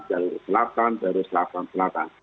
jalur selatan jalur selatan selatan